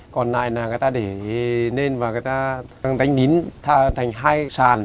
còn lại là người ta để nên và người ta đánh nín thành hai sàn